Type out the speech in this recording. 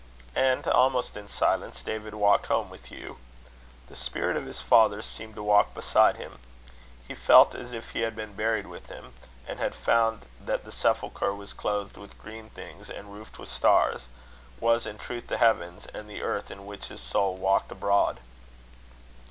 And, almost in silence, David walked home with Hugh. The spirit of his father seemed to walk beside him. He felt as if he had been buried with him; and had found that the sepulchre was clothed with green things and roofed with stars was in truth the heavens and the earth in which his soul walked abroad.